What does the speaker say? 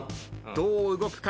どう動くか？